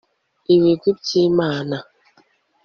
ibigwi by'imana